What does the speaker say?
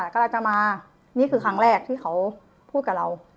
กำลังจะมานี่คือครั้งแรกที่เขาพูดกับเรา